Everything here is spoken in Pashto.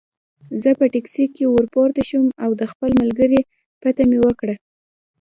زه په ټکسي کې ورپورته شوم او د خپل ملګري پته مې ورکړه.